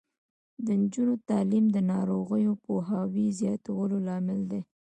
د نجونو تعلیم د ناروغیو پوهاوي زیاتولو لامل دی.